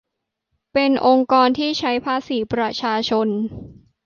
เป็นองค์กรที่ใช้ภาษีประชาชน